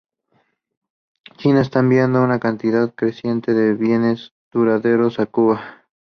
China está enviando una cantidad creciente de bienes duraderos a Cuba.